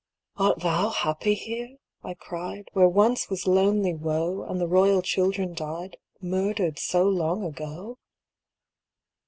" Art thou happy here," I cried, Where once was lonely woe, And the royal children died, — Murdered so long ago